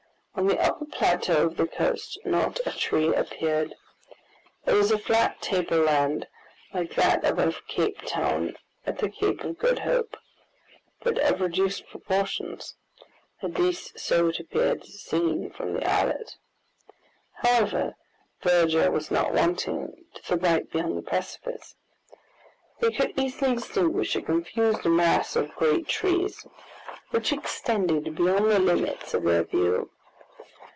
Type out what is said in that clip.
On the upper plateau of the coast not a tree appeared. It was a flat tableland like that above Cape Town at the Cape of Good Hope, but of reduced proportions; at least so it appeared seen from the islet. However, verdure was not wanting to the right beyond the precipice. They could easily distinguish a confused mass of great trees, which extended beyond the limits of their view.